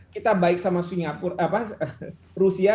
kita baik sama rusia